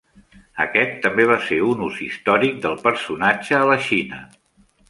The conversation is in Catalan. Aquest també va ser un ús històric del personatge a la Xina.